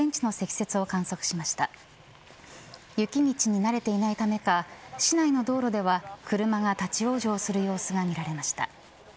雪道に慣れていないためか市内の道路では車が立ち往生する様子が見られました。